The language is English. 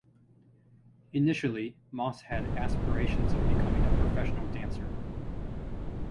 Initially, Moss had aspirations of becoming a professional dancer.